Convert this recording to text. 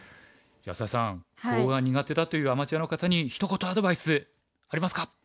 安田さんコウが苦手だというアマチュアの方にひと言アドバイスありますか？